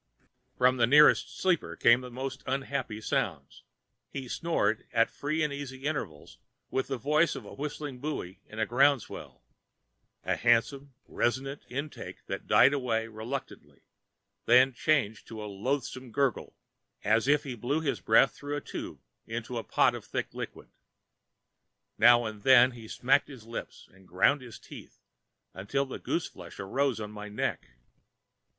From the nearest sleeper came the most unhappy sounds. He snored at free and easy intervals with the voice of a whistling buoy in a ground swell—a handsome, resonant intake that died away reluctantly, then changed to a loathsome gurgle, as if he blew his breath through a tube into a pot of thick liquid. Now and then he smacked his lips and ground his teeth until the gooseflesh arose on my neck.